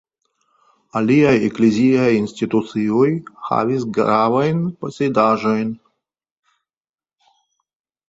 Aliaj ekleziaj institucioj havis gravajn posedaĵojn.